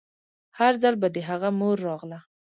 هر ځل به د هغه مور راغله.